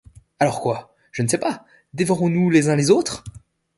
Alors, quoi? je ne sais pas, dévorons-nous les uns les autres!